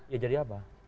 ya jadi apa